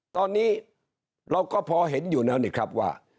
ตอนนี้เราก็พอเห็นอยู่แล้วนี่ครับว่า